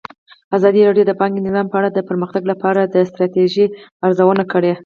ازادي راډیو د بانکي نظام په اړه د پرمختګ لپاره د ستراتیژۍ ارزونه کړې.